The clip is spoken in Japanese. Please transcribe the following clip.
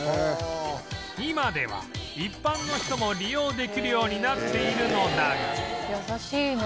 今では一般の人も利用できるようになっているのだが